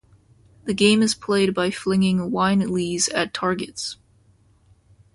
The game is played by flinging wine lees at targets.